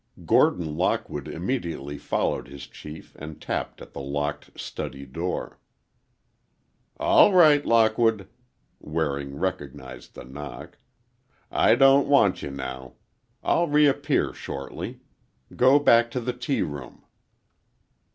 Gordon Lockwood immediately followed his chief and tapped at the locked study door. "All right, Lockwood," Waring recognized the knock. "I don't want you now. I'll reappear shortly. Go back to the tea room."